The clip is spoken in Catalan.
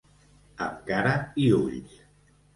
Amb cara i ulls.